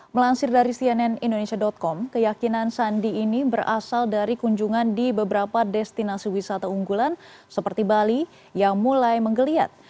melansir dari cnn indonesia com keyakinan sandi ini berasal dari kunjungan di beberapa destinasi wisata unggulan seperti bali yang mulai menggeliat